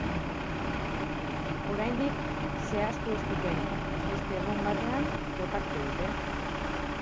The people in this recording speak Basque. Oraindik zehaztu ez duten beste egun batean jokatuko dute.